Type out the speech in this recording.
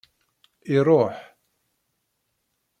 Iruḥ.